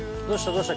どうした？